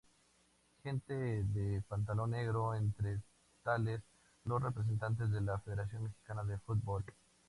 Gente de pantalón largo, entre tales los representantes de la Federación Mexicana de Fútbol.